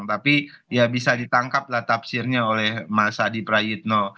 tapi ya bisa ditangkap lah tafsirnya oleh mas adi prayutno